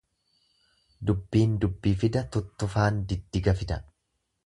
Dubbin dubbi fida tuttufaan diddiga fida.